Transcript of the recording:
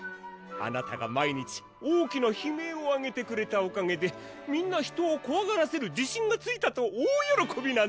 あなたが毎日大きな悲鳴を上げてくれたおかげでみんな人をこわがらせる自信がついたとおおよろこびなんです。